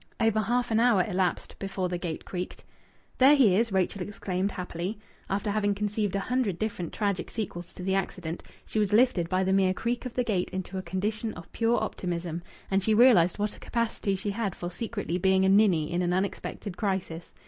Over half an hour elapsed before the gate creaked. "There he is!" Rachel exclaimed happily. After having conceived a hundred different tragic sequels to the accident, she was lifted by the mere creak of the gate into a condition of pure optimism, and she realized what a capacity she had for secretly being a ninny in an unexpected crisis.